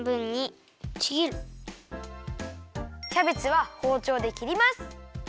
キャベツはほうちょうで切ります。